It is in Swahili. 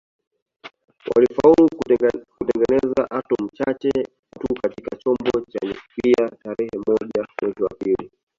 Walifaulu kutengeneza atomi chache tu katika chombo cha nyuklia tarehe moja mwezi wa pili